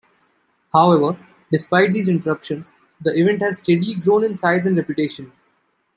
However, despite these interruptions, the event has steadily grown in size and reputation.